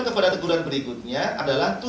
kepada teguran berikutnya adalah